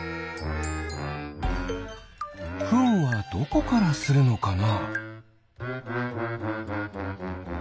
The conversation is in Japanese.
フンはどこからするのかな？